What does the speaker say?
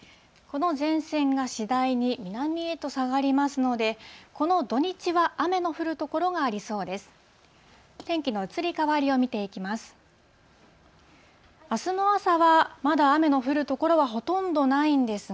この前線が次第に南へと下がりますので、この土日は雨の降る所がありそうです。